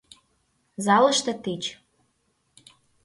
Залыште тич.